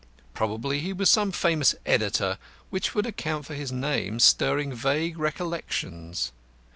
Probably he was some famous editor, which would account for his name stirring vague recollections.